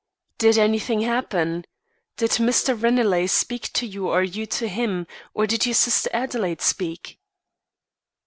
"Did anything happen? Did Mr. Ranelagh speak to you or you to him, or did your sister Adelaide speak?"